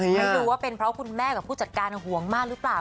ไม่รู้ว่าเป็นเพราะคุณแม่กับผู้จัดการห่วงมากหรือเปล่า